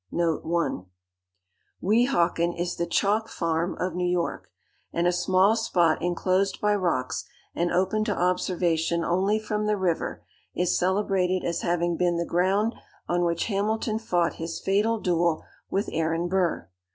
Weehawken is the "Chalk Farm" of New York, and a small spot enclosed by rocks, and open to observation only from the river, is celebrated as having been the ground on which Hamilton fought his fatal duel with Aaron Burr.